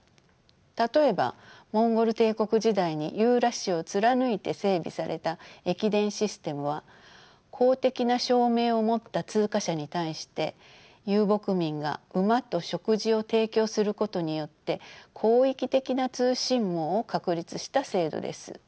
例えばモンゴル帝国時代にユーラシアを貫いて整備された駅伝システムは公的な証明を持った通過者に対して遊牧民が馬と食事を提供することによって広域的な通信網を確立した制度です。